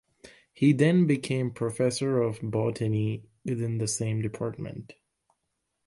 He then became professor of botany within the same department.